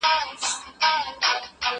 زه به سبا د يادښتونه بشپړوم؟!